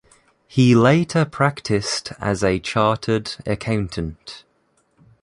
He later practiced as a chartered accountant.